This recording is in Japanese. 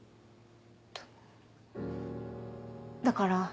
だから。